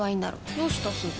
どうしたすず？